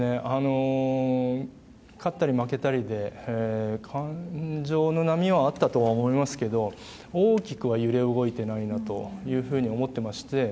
勝ったり負けたりで感情の波はあったとは思いますけど大きくは揺れ動いていないと思っていまして。